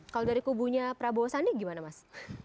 kalau dari kubunya prabowo sandi gimana mas